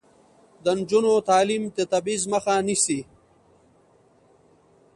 د نجونو تعلیم د تبعیض مخه نیسي.